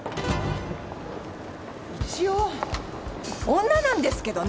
一応女なんですけどね。